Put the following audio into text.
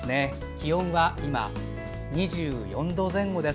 気温は今、２４度前後です。